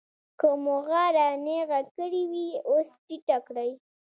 که مو غاړه نېغه کړې وي اوس ټیټه کړئ.